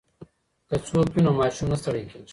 که څوکۍ وي نو ماشوم نه ستړی کیږي.